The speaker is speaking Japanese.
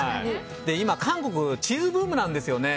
今、韓国チーズブームなんですよね。